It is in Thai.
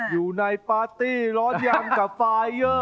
อยู่ในปาร์ตี้ร้อนยำกับไฟเยอร์